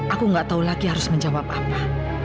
aku gak tahu lagi harus menjawab apa